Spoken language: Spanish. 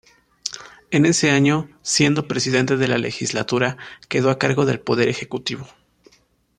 En ese año, siendo Presidente de la Legislatura, quedó a cargo del poder ejecutivo.